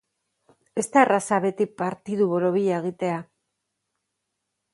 Ez da erraza beti partidu borobila, egitea.